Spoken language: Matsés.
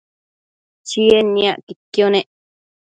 Chied niacquidquio nec